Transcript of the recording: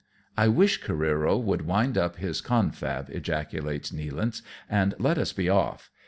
" I wish Careero would wind up his confab," ejaculates Nealance, " and let us be off.